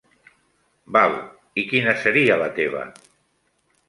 Val, i quina seria la teva?